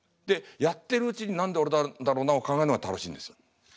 でやってるうちに「何で俺なんだろうな」を考えるのが楽しいんですよ。